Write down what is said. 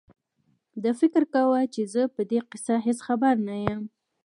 ده فکر کاوه زه په دې کیسه هېڅ خبر نه یم.